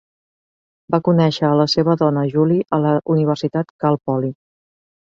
Va conèixer a la seva dona Julie a la Universitat Cal Poly.